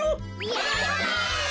やった！